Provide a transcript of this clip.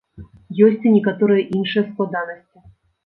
Ёсць і некаторыя іншыя складанасці.